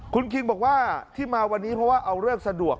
คุณคิงบอกว่าที่มาวันนี้เพราะว่าเอาเลิกสะดวก